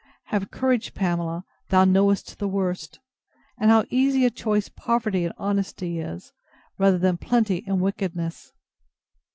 Have courage, Pamela, thou knowest the worst! And how easy a choice poverty and honesty is, rather than plenty and wickedness.